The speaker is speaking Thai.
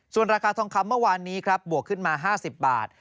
ส่วนราคาทองคำเมื่อวานนี้ครับบวกขึ้นมา๕๐บาท